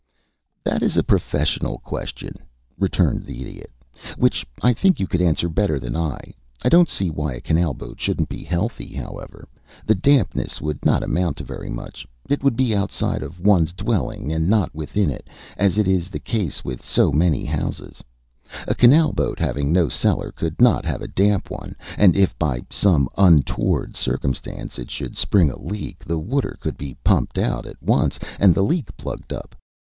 "That is a professional question," returned the Idiot, "which I think you could answer better than I. I don't see why a canal boat shouldn't be healthy, however. The dampness would not amount to very much. It would be outside of one's dwelling, and not within it, as is the case with so many houses. A canal boat having no cellar could not have a damp one, and if by some untoward circumstance it should spring a leak, the water could be pumped out at once and the leak plugged up.